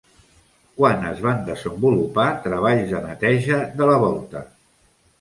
Quan es van desenvolupar treballs de neteja de la volta?